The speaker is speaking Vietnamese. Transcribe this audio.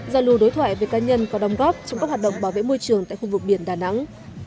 giao lưu đối thoại về cá nhân có đồng góp trong các hoạt động bảo vệ môi trường tại khu vực biển đà nẵng